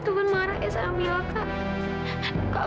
ketuhan marah islami wakadah